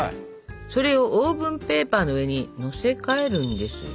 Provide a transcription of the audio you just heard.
それをオーブンペーパーの上に載せ替えるんですよ。